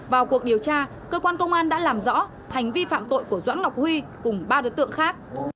vào cuộc điều tra cơ quan công an đã làm rõ hành vi phạm tội của doãn ngọc huy cùng ba đối tượng khác